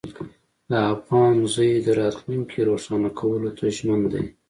د افغان زوی د راتلونکي روښانه کولو ته ژمن دی.